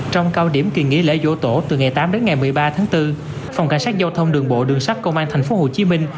trong cao điểm kỳ nghỉ lễ vô tổ từ ngày tám đến ngày một mươi ba tháng bốn phòng cảnh sát giao thông đường bộ đường sắt công an tp hcm